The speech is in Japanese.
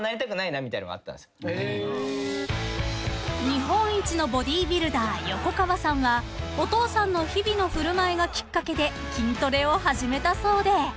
［日本一のボディービルダー横川さんはお父さんの日々の振る舞いがきっかけで筋トレを始めたそうで］